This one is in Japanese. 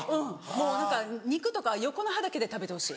もう肉とか横の歯だけで食べてほしい。